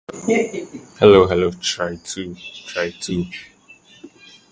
The list is currently organized by category.